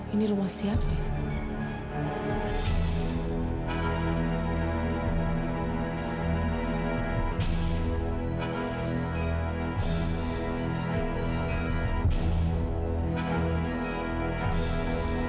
ini rumah siapa ya